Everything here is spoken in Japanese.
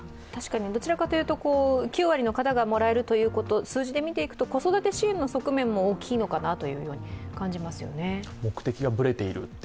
どちらかというと９割の方がもらえるということ数字で見ていくと子育て支援の目的も大きいのかなという気もしますよね。